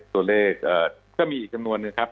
ตัวเลขก็มีอีกจำนวนนึงครับ